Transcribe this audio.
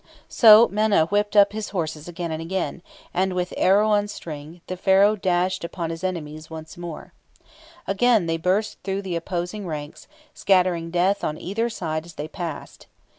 So Menna whipped up his horses again, and, with arrow on string, the Pharaoh dashed upon his enemies once more. Again they burst through the opposing ranks, scattering death on either side as they passed.